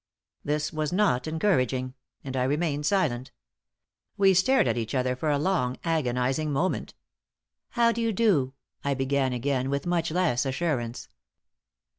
This was not encouraging, and I remained silent. We stared at each other for a long, agonizing moment. "How do you do?" I began again, with much less assurance.